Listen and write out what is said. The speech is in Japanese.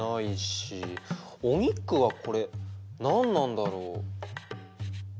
お肉はこれ何なんだろう？